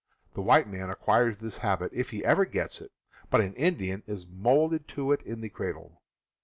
The white man acquires this habit, if he ever gets it, but an Indian is molded to it in the cradle.